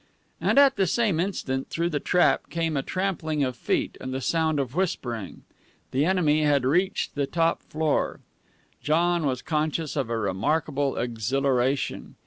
And at the same instant, through the trap, came a trampling of feet and the sound of whispering. The enemy had reached the top floor. John was conscious of a remarkable exhilaration.